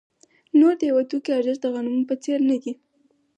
نور د یوه توکي ارزښت د غنمو په څېر نه دی